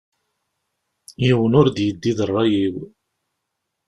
Yiwen ur d-yeddi d rray-iw.